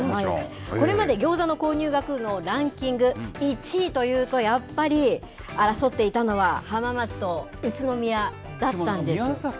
これまでギョーザの購入額のランキング１位というと、やっぱり争っていたのは、浜松と宇都宮だったんですが。